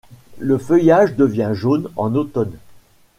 Le feuillage devient jaune en automne.